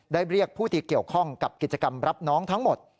เรียกผู้ที่เกี่ยวข้องกับกิจกรรมรับน้องทั้งหมด